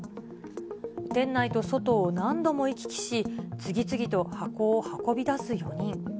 店内と外を何度も行き来し、次々と箱を運び出す４人。